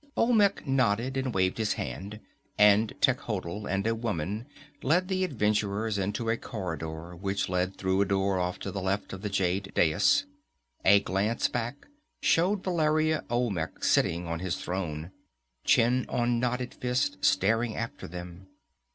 Olmec nodded, and waved a hand, and Techotl and a woman led the adventurers into a corridor which led through a door off to the left of the jade dais. A glance back showed Valeria Olmec sitting on his throne, chin on knotted fist, staring after them.